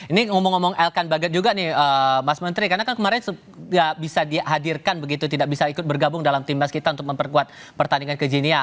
ini ngomong ngomong elkan bagat juga nih mas menteri karena kan kemarin bisa dihadirkan begitu tidak bisa ikut bergabung dalam timnas kita untuk memperkuat pertandingan kejinia